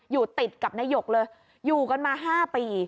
อยู่ติดกับนายกเลยอยู่กันมา๕ปี